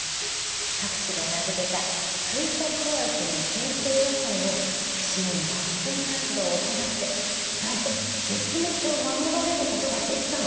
博士が名付けたスイタクワイという伝統野菜を市民が保全活動を行ってなんと絶滅を免れることができたの。